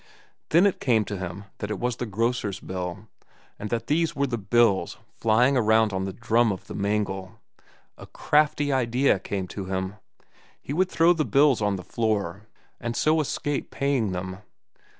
Then it came to him that it was the grocer's bill, and that these were his bills flying around on the drum of the mangle. A crafty idea came to him. He would throw the bills on the floor and so escape paying them.